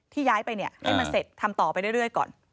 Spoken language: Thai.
ย้ายไปให้มันเสร็จทำต่อไปเรื่อยก่อน